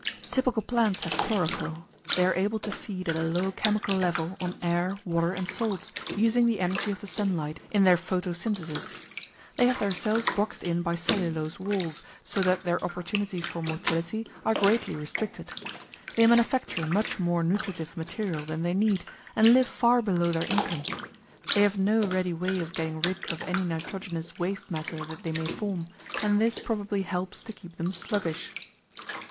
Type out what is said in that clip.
Typical plants have chlorophyll; they are able to feed at a low chemical level on air, water, and salts, using the energy of the sunlight in their photosynthesis. They have their cells boxed in by cellulose walls, so that their opportunities for motility are greatly restricted. They manufacture much more nutritive material than they need, and live far below their income. They have no ready way of getting rid of any nitrogenous waste matter that they may form, and this probably helps to keep them sluggish.